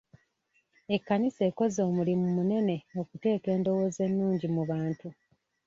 Ekkanisa ekoze omulimu munene okuteeka endowooza ennungi mu bantu .